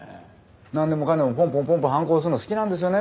何でもかんでもポンポンポンポンハンコ押すの好きなんですよね